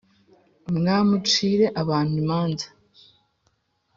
Umwami t ucire abantu imanza